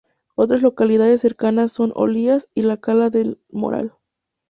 Otras localidades cercanas son Olías y La Cala del Moral.